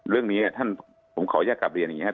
เรื่องนี้ผมขออยากกลับเรียนอย่างนี้